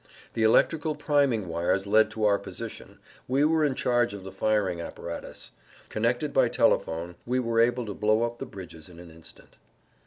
The electrical priming wires led to our position; we were in charge of the firing apparatus. Connected by telephone we were able to blow up the bridges in an instant.